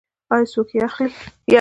آیا څوک یې اخلي؟